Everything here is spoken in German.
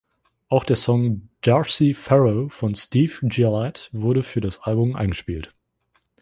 Auch der Song "Darcy Farrow" von Steve Gillette wurde für das Album eingespielt.